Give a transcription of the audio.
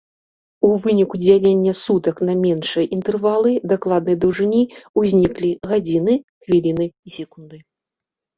У выніку дзялення сутак на меншыя інтэрвалы дакладнай даўжыні ўзніклі гадзіны, хвіліны і секунды.